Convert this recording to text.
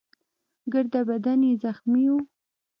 ګرده بدن يې زخمي وو.